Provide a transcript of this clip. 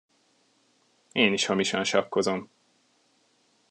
Én is hamisan sakkozom.